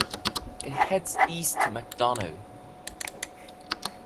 It heads east to McDonough.